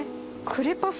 クレパス。